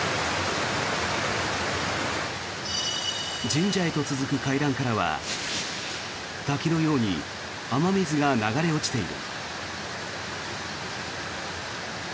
神社へと続く階段からは滝のように雨水が流れ落ちている。